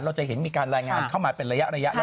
เราจะเห็นมีการรายงานเข้ามาเป็นระยะ